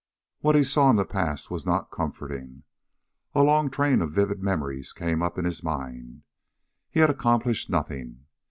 What he saw in the past was not comforting. A long train of vivid memories came up in his mind. He had accomplished nothing.